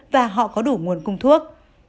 và họ có đủ nguồn cung thuốc